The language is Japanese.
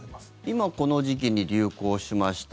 今、この時期に流行しました。